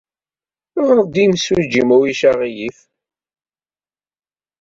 Ɣer-d i yimsujji, ma ulac aɣilif.